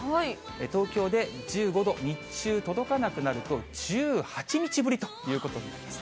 東京で１５度、日中届かなくなると、１８日ぶりということになります。